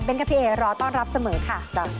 เบนด์กับพี่เอ๋รอต้อนรับเสมอค่ะ